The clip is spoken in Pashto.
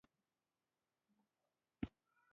په کنسولاډو کې تر خپلواکۍ وروسته اصلاحات رامنځته نه شول.